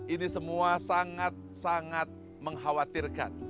ini semua sangat sangat mengkhawatirkan